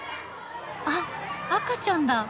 あっ赤ちゃんだ。